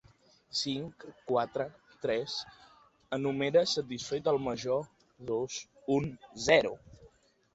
Cinc, quatre, tres —enumera satisfet el major—, dos, un, zero!